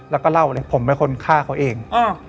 แล้วก็เล่าเลยผมเป็นคนฆ่าเขาเอง